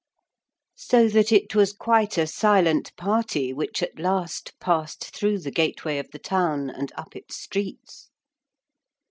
So that it was quite a silent party which at last passed through the gateway of the town and up its streets.